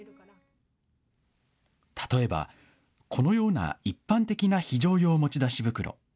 例えば、このような一般的な非常用持ち出し袋。